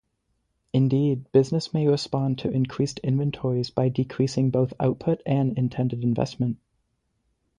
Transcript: Indeed, business may respond to increased inventories by decreasing both output and intended investment.